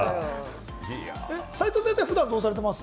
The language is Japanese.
齋藤先生、普段はどうされてます？